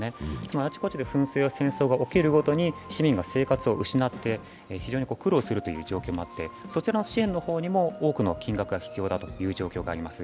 あちこちで戦争や紛争が起きるたびに市民が生活を失って非常に苦労するという状況もあって、そちらの支援の方にも多くの金額が必要だという状況があります。